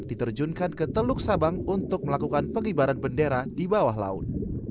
diterjunkan ke teluk sabang untuk melakukan pengibaran bendera di bawah laut